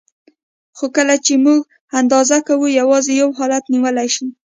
خو کله یې چې موږ اندازه کوو یوازې یو حالت نیولی شي.